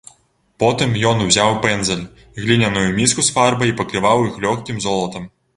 Потым ён узяў пэндзаль, гліняную міску з фарбай і пакрываў іх лёгкім золатам.